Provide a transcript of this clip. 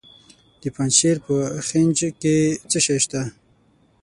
د پنجشیر په خینج کې څه شی شته؟